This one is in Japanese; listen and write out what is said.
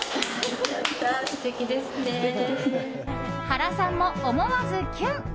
原さんも思わずキュン。